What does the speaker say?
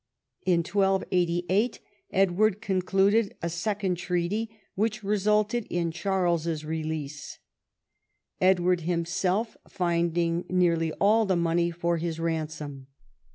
In 1288 Edward concluded a second treaty, which resulted in Charles's release, Edward himself finding nearly all the money for his ransom.